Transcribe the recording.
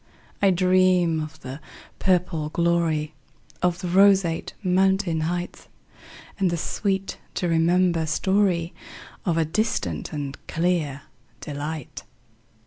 I dream of the purple gloryOf the roseate mountain heightAnd the sweet to remember storyOf a distant and clear delight.